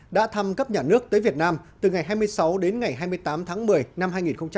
đã thăm cấp nhà nước tới việt nam từ ngày hai mươi sáu đến ngày hai mươi tám tháng một mươi năm hai nghìn một mươi chín